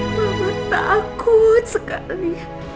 mama takut sekali